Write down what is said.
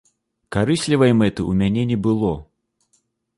Карыслівай мэты ў мяне не было.